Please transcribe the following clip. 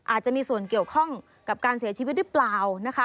อาจจะมีส่วนเกี่ยวข้องกับการเสียชีวิตหรือเปล่านะคะ